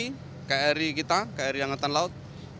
untuk komitmen kri kri kita kri angkatan laut